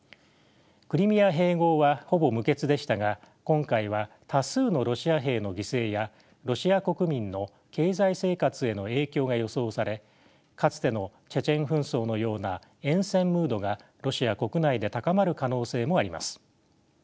クリミア併合はほぼ無血でしたが今回は多数のロシア兵の犠牲やロシア国民の経済生活への影響が予想されかつてのチェチェン紛争のような厭戦ムードがロシア国内で高まる可能性もあります。